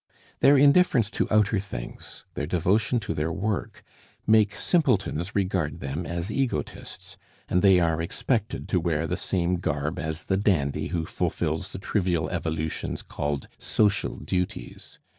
Their indifference to outer things, their devotion to their work, make simpletons regard them as egotists, and they are expected to wear the same garb as the dandy who fulfils the trivial evolutions called social duties.